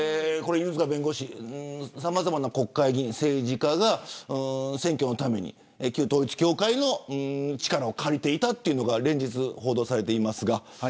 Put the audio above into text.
さまざまな国会議員政治家が選挙のために旧統一教会の力を借りていたというのが連日、報道されていますが。